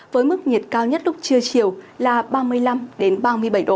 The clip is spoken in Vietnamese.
với mức nhiệt cao nhất lúc trưa chiều là ba mươi năm ba mươi bảy độ